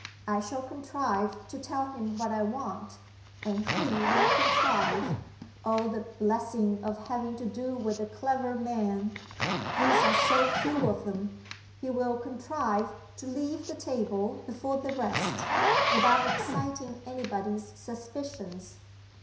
I shall contrive to tell him what I want; and he will contrive (oh, the blessing of having to do with a clever man; these are so few of them!) he will contrive to leave the table before the rest, without exciting any body's suspicions.